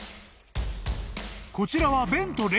［こちらは］